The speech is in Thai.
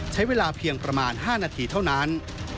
ใช้เวลาเพียงประมาณ๕นาทีเท่านั้น